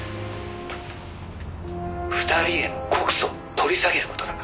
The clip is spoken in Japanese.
「２人への告訴を取り下げる事だ」